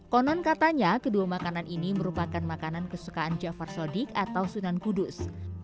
konon katanya kedua makanan ini merupakan makanan kesukaan jafar sodik atau sunan kudus